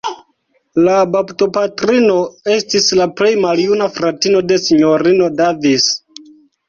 La baptopatrino estis la plej maljuna fratino de Sinjorino Davis.